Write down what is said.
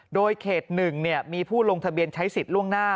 โดยเขต๑มีผู้ลงทะเบียนใช้สิทธิ์ล่วงหน้า